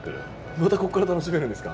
またこっから楽しめるんですか？